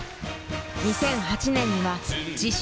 ２００８年には自身初！